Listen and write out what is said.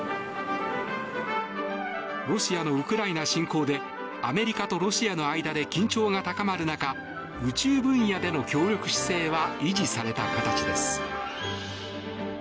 ロシアのウクライナ侵攻でアメリカとロシアの間で緊張が高まる中宇宙分野での協力姿勢は維持された形です。